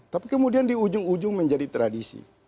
tapi kemudian di ujung ujung menjadi tradisi